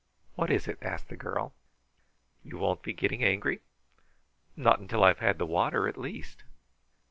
What is it?" asked the girl. "You won't be getting angry?" "Not until I've had the water, at least."